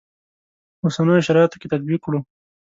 اوسنیو شرایطو کې تطبیق کړو.